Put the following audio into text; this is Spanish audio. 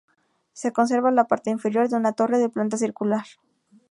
Se conserva la parte inferior de una torre de planta circular.